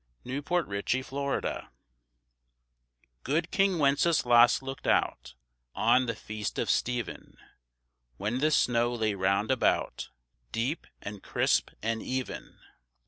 _ GOOD KING WENCESLAS Good King Wenceslas looked out On the Feast of Stephen, When the snow lay round about, Deep, and crisp, and even.